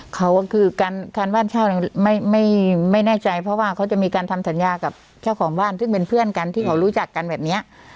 เขาก็คือการบ้านเช่าเนี่ยไม่แน่ใจเพราะว่าเขาจะมีการทำสัญญากับเจ้าของบ้านซึ่งเป็นเพื่อนกันที่เขารู้จักกันแบบนี้